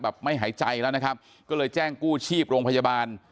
ไม่หายใจแล้วนะครับก็เลยแจ้งกู้ชีพโรงพยาบาล